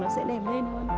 nó sẽ đẹp lên hơn